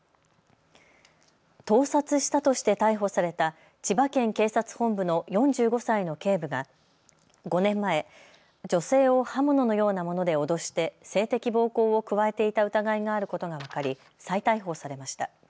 盗撮したとして逮捕された千葉県警察本部の４５歳の警部が５年前、女性を刃物のようなもので脅して性的暴行を加えていた疑いがあることが分かり再逮捕されました。